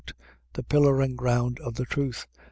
The pillar and ground of the truth.